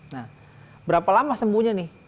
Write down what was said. nah berapa lama sembuhnya nih